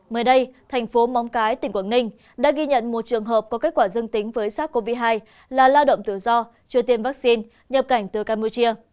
mới đây thành phố móng cái tỉnh quảng ninh đã ghi nhận một trường hợp có kết quả dương tính với sars cov hai là lao động tự do chưa tiêm vaccine nhập cảnh từ campuchia